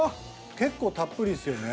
結構たっぷりっすよね。